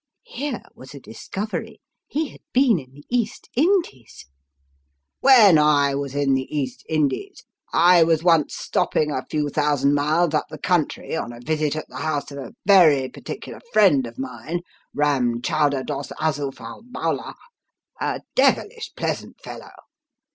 (Here was a discovery he had been in the East Indies !)" When I was in the East Indies, I was once stopping a few thousand miles up the country, on a visit at the house of a very particular friend of mine, Earn Chowdar Doss Azuph Al Bowlar a devilish pleasant fellow.